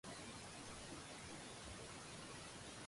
睇唔到直播都可以之後睇返。